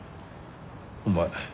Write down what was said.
お前